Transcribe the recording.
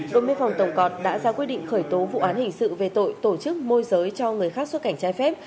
đội biên phòng tổng cọt đã ra quyết định khởi tố vụ án hình sự về tội tổ chức môi giới cho người khác xuất cảnh trái phép